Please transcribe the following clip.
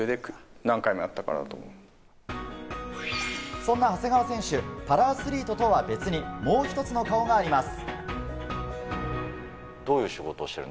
そんな長谷川選手、パラアスリートとは別にもう一つの顔があります。